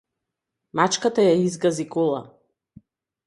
Мачката ја изгази кола.